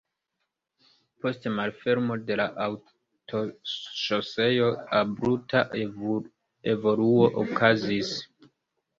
Post malfermo de la aŭtoŝoseo abrupta evoluo okazis.